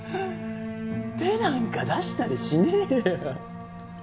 手なんか出したりしねえよ。